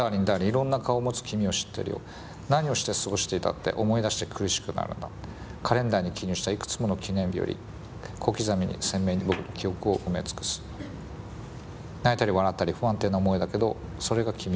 いろんな顔を持つ君を知ってるよ何をして過ごしていたって思いだして苦しくなるんだカレンダーに記入したいくつもの記念日より小刻みに鮮明に僕の記憶を埋めつくす泣いたり笑ったり不安定な想いだけどそれが君と僕のしるし」。